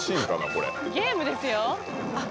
これゲームですよあっ